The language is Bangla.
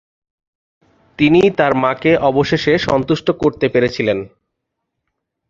তিনি তার মাকে অবশেষে সন্তুষ্ট করতে পেরেছিলেন।